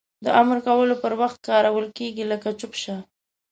د امر کولو پر وخت کارول کیږي لکه چوپ شه!